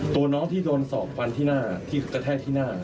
ตัวน้องที่โดนสอบฟันที่หน้าที่กระแทกที่หน้า